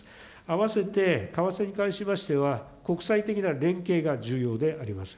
併せて為替に関しましては、国際的な連携が重要であります。